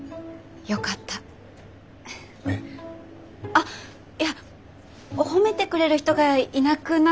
あっいや褒めてくれる人がいなくなったら。